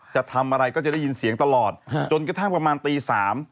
จะทำอะไรก็จะได้ยินเสียงตลอดจนกระทั่งประมาณตี๓